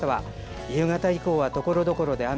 夕方以降はところどころで雨。